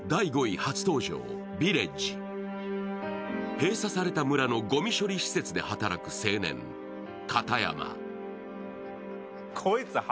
閉鎖された村のごみ処理施設で働く青年、片山。